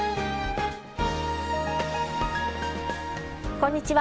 こんにちは。